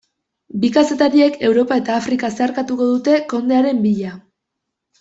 Bi kazetariek Europa eta Afrika zeharkatuko dute kondearen bila.